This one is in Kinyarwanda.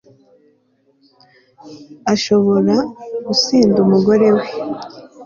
ashobora gusenda umugore we